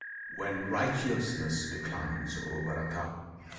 When Righteousness Declines, O Bharata!